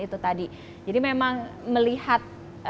itu tadi jadi memang melihat